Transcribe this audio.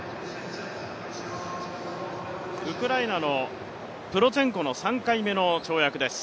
ウクライナのプロツェンコの３回目の跳躍です。